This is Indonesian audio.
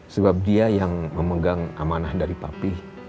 sebab dia yang memegang amanah dari papi